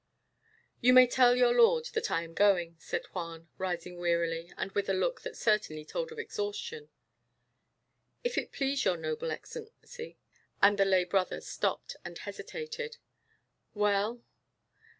"You may tell your lord that I am going," said Juan, rising wearily, and with a look that certainly told of exhaustion. "If it please your noble Excellency " and the lay brother stopped and hesitated. "Well?"